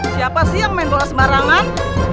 siapa sih yang main bola sembarangan